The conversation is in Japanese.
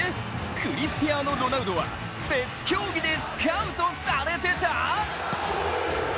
クリスチアーノ・ロナウドは別競技でスカウトされてた！？